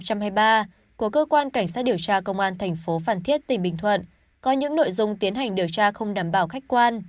của cơ quan cảnh sát điều tra công an thành phố phan thiết tỉnh bình thuận có những nội dung tiến hành điều tra không đảm bảo khách quan